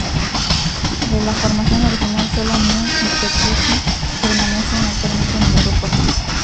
De la formación original, solo Myung y Petrucci permanecen actualmente en el grupo.